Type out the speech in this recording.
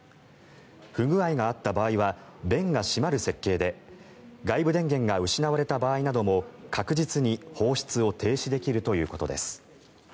不具合があった場合は弁が閉まる設計で外部電源が失われた場合なども確実に放出を停止できるということです。